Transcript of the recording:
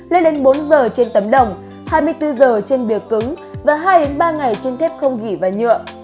lên đến bốn giờ trên tấm đồng hai mươi bốn giờ trên bìa cứng và hai ba ngày trên thép không gửi và nhựa